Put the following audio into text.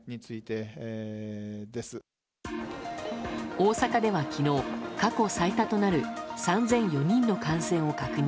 大阪では昨日、過去最多となる３００４人の感染を確認。